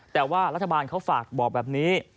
แต่ว่ารัฐบาลเขาฝากบอกแบบนี้